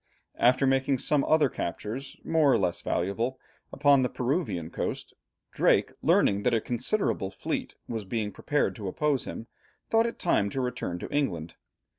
After making some other captures more or less valuable, upon the Peruvian coast, Drake, learning that a considerable fleet was being prepared to oppose him, thought it time to return to England.